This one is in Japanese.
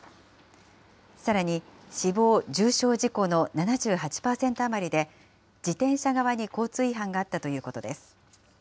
さらに、死亡・重傷事故の７８％余りで、自転車側に交通違反があったということです。